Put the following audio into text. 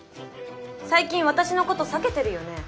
最近私のこと避けてるよね。